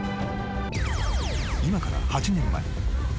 ［今から８年前］